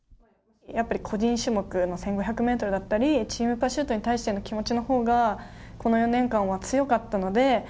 やっぱり個人種目の１５００メートルだったり、チームパシュートに対しての気持ちのほうが、この４年間は強かったので。